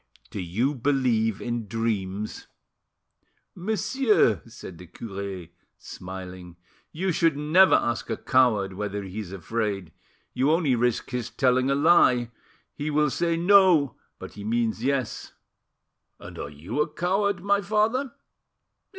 Do you believe in dreams?" "Monsieur," said the cure, smiling, "you should never ask a coward whether he is afraid, you only risk his telling a lie. He will say 'No,' but he means 'Yes.'" "And are you a coward, my father?"